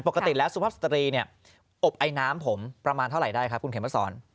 ปกติแล้วสุภาพสตรีเนี่ยอบไอน้ำผมประมาณเท่าไหร่ได้ครับคุณเข็มมาสอน